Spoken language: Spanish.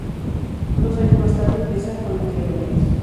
Dos años más tarde empieza con el clarinete.